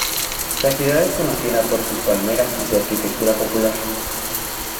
La ciudad es conocida por sus palmeras y su arquitectura popular.